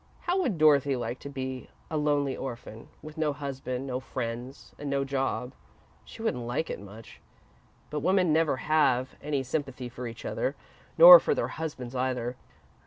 "How would Dorothy like to be a lonely orphan, with no husband, no friends, and no job? She wouldn't like it much, but women never have any sympathy for each other, nor for their husbands, either.